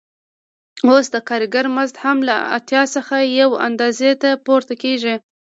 اوس د کارګر مزد هم له اتیا څخه یوې اندازې ته پورته کېږي